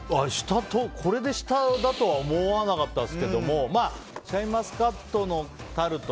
これで下だとは思わなかったんですけどシャインマスカットのタルト